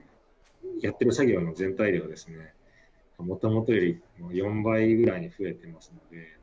やってる作業の全体量ですね、もともとより４倍ぐらいに増えてますので。